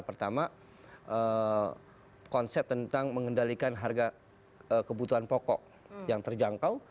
pertama konsep tentang mengendalikan harga kebutuhan pokok yang terjangkau